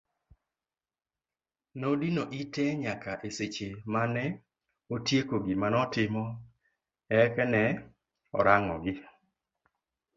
Nodino ite nyaka e seche mane otieko gima notimo ek ne orang'ogi.